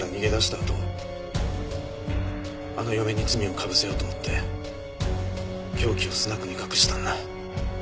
あとあの嫁に罪を被せようと思って凶器をスナックに隠したんだ。